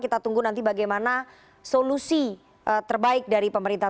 kita tunggu nanti bagaimana solusi terbaik dari pemerintah